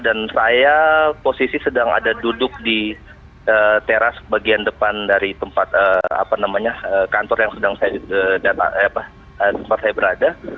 dan saya posisi sedang ada duduk di teras bagian depan dari kantor yang sedang saya berada